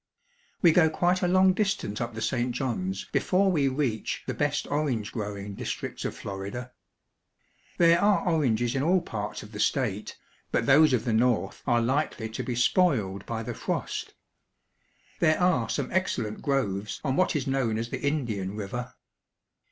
We go quite a long distance up the St. Johns before we reach the best orange growing districts of Florida. There An Orange Orchard. are oranges in all parts of the state, but those of the north are likely to be spoiled by the frost. There are some ex cellent groves on what is known as the Indian River.